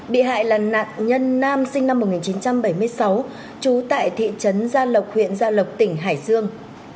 bị hại là nạn nhân nam sinh năm một nghìn chín trăm bảy mươi sáu trú tại thị trấn gia lộc huyện gia lộc tỉnh hải dương